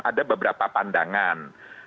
ada beberapa pandangan